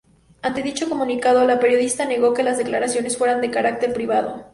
Ante dicho comunicado, la periodista negó que las declaraciones fueran de carácter privado.